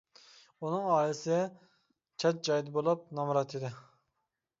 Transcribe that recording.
ئۇنىڭ ئائىلىسى چەت جايدا بولۇپ، نامرات ئىدى.